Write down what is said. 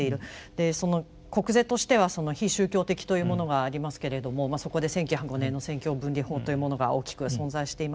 でその国是としては非宗教的というものがありますけれどもそこで１９０５年の政教分離法というものが大きく存在していますが。